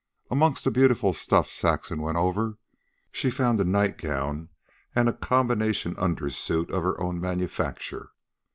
Amongst the beautiful stuff Saxon went over, she found a nightgown and a combination undersuit of her own manufacture.